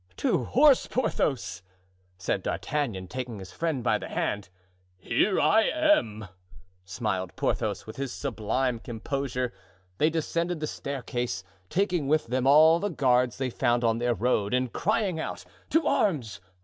"To horse, Porthos!" said D'Artagnan, taking his friend by the hand. "Here I am," smiled Porthos, with his sublime composure. They descended the great staircase, taking with them all the guards they found on their road, and crying out, "To arms!